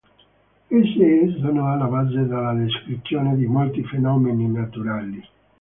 Esse sono alla base della descrizione di molti fenomeni naturali.